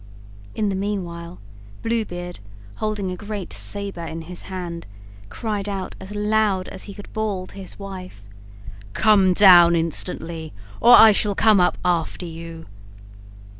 In the meanwhile Blue Beard, holding a great saber in his hand, cried out as loud as he could bawl to his wife: "Come down instantly, or I shall come up after you."